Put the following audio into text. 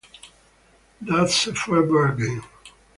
That's a fair bargain.